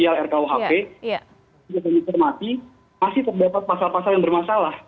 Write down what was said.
masih terdapat pasal pasal yang bermasalah